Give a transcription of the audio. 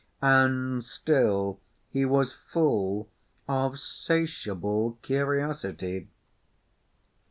And still he was full of 'satiable curtiosity!